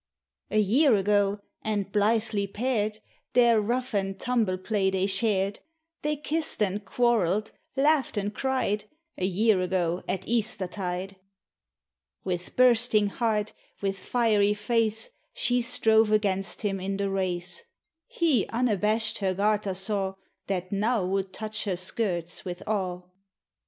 A year ago, and blithely paired, Their rough and tumble play they shared; They kissed and quarrelled, laughed and cried, A year ago at Eastertide. With bursting heart, with fiery face, She strove against him in the race; He unabashed her garter saw, That uow would touch her skirts with awe.